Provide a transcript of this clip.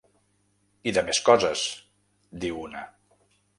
"I de més coses", diu una.